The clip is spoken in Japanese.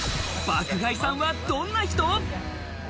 爆買いさんは、どんな人？